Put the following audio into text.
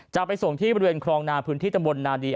จะไปส่งที่บริเวณครองนาพื้นที่ตำบลนาดี